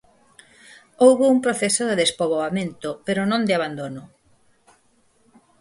Houbo un proceso de despoboamento, pero non de abandono.